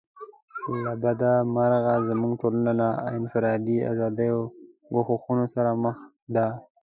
له بده مرغه زموږ ټولنه له انفرادي آزادیو ګواښونو سره مخ ده.